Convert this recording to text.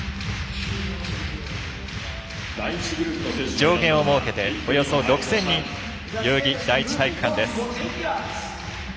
上限を設けて、およそ６０００人代々木第一体育館です。